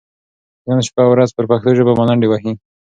چې نن شپه او ورځ پر پښتو ژبه ملنډې وهي،